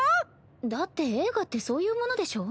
だって映画ってそういうものでしょ。